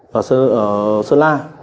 và sơn la